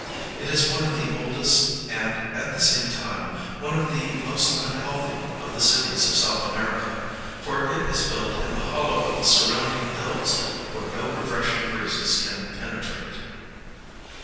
It is one of the oldest, and, at the same time, one of the most unhealthy, of the cities of South America, for it is built in the hollow of the surrounding hills, where no refreshing breezes can penetrate.